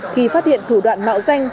khi phát hiện thủ đoạn mạo danh